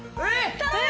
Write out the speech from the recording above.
・えっ